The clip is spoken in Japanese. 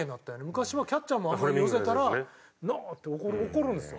昔はキャッチャーもあんまり寄せたら「ノー！」って怒るんですよ。